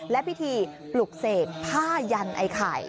และพิธีปลุกเสกผ้ายันไอ้ไข่